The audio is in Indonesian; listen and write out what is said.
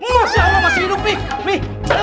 masya allah masih hidup mi